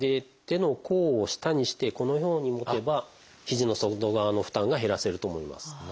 手の甲を下にしてこのように持てば肘の外側の負担が減らせると思います。